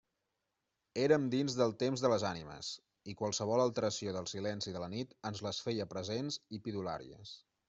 Érem dins del temps de les ànimes, i qualsevol alteració del silenci de la nit ens les feia presents i pidolaries.